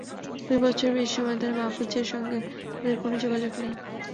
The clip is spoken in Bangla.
দুই বছরের বেশি সময় ধরে মাহফুজুরের সঙ্গে তাঁদের কোনো যোগাযোগ নেই।